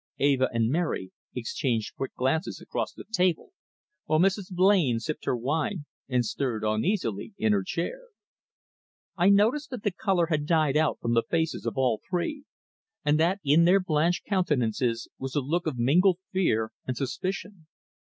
Eva and Mary exchanged quick glances across the table, while Mrs. Blain sipped her wine and stirred uneasily in her chair. I noticed that the colour had died out from the faces of all three, and that in their blanched countenances was a look of mingled fear and suspicion.